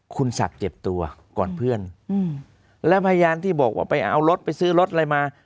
คุณศักดิ์เจ็บตัวก่อนเพื่อนแล้วพยานที่บอกว่าไปเอารถไปซื้อรถอะไรมา